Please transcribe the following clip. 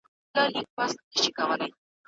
د ژوند حق په هر قانون کي سته.